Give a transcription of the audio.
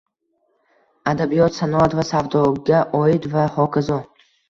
adabiyot, sanoat va savdoga oid va hokazo.